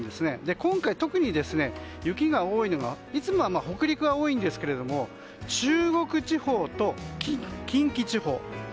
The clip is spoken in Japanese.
今回、特に雪が多いのはいつもは北陸が多いんですけど中国地方と近畿地方。